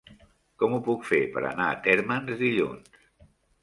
Com ho puc fer per anar a Térmens dilluns?